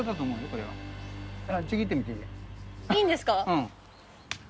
うん。